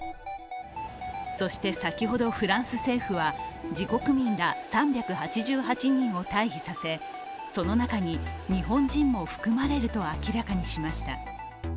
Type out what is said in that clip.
そして、先ほどフランス政府は、自国民ら３８８人を退避させ、その中に日本人も含まれると明らかにしました。